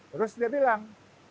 terus dia bilang